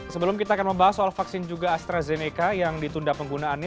sebelum kita akan membahas soal vaksin juga astrazeneca yang ditunda penggunaannya